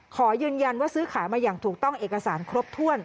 ขอยืนยันว่าซื้อขายมาอย่างถูกต้องเอกสารครบถ้วน